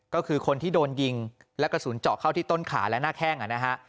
ก็คือคนที่โดนยิงและกระสุนเจาะเข้าที่ต้นขาและหน้าแข้งนะฮะ